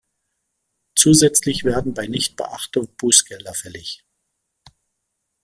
Zusätzlich werden bei Nichtbeachtung Bußgelder fällig.